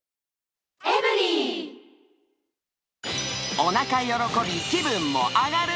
おなか喜び、気分も上がる。